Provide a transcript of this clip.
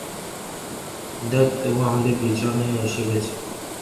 ধ্যাত, ও আমাদের পেছনে এসে গেছে।